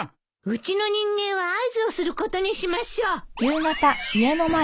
うちの人間は合図をすることにしましょう。